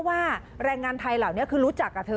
ว่าแรงงานไทยเหล่านี้คือรู้จักกับเธอ